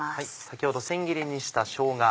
先ほど千切りにしたしょうが。